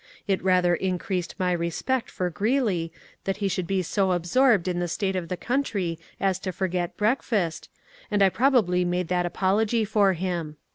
It rather increased my respect for Greeley that he should be so absorbed in the state of the country as to forget breakfast, and I probably made that apology for him.